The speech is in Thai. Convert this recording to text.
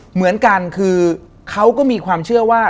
เหมือนกันคือเขาก็มีความเชื่อว่า